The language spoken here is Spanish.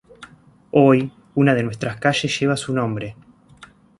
Hoy, una de nuestras calles lleva su nombre.